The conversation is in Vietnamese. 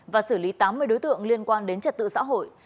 và xử lý tám mươi đối tượng liên quan đến trật tự xã hội